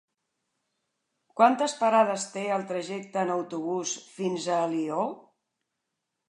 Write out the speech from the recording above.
Quantes parades té el trajecte en autobús fins a Alió?